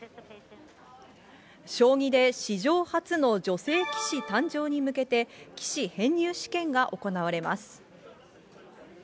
将棋で史上初の女性棋士誕生に向けて、棋士編入試験が行われます。